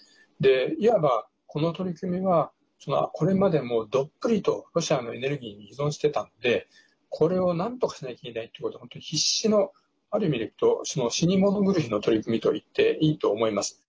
いわば、この取り組みはこれまでもどっぷりとロシアのエネルギーに依存してたのでこれをなんとかしなきゃいけないということで、必死のある意味でいうと死に物狂いの取り組みといっていいと思います。